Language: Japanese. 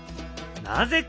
なぜか？